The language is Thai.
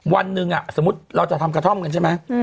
วันหนึ่งสมมุติเราจะทำกระท่อมกันใช่ไหม